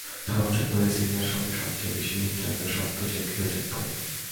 ছয় বছর ধরে সিরিয়ার সঙ্গে সবচেয়ে বেশি উচ্চারিত শব্দ যে গৃহযুদ্ধ।